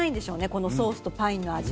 このソースとパインの味に。